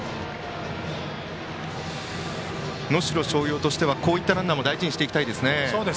能代松陽としてはこういったランナーも大事にしていきたいですね。